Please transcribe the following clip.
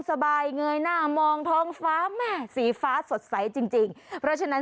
สบายเงยหน้ามองท้องฟ้าแม่สีฟ้าสดใสจริงจริงเพราะฉะนั้น